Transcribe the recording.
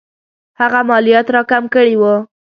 هغه مالیات را کم کړي وو.